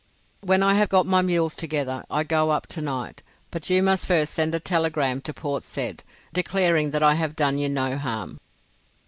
"When I have got my mules together I go up to night, but you must first send a telegram of Port Said, declaring that I have done you no harm."